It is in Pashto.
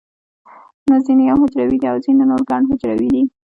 نه ځینې یو حجروي دي او ځینې نور ګڼ حجروي دي